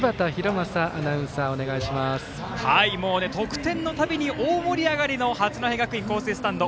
正アナウンサーもう得点のたびに大盛り上がりの八戸学院光星スタンド。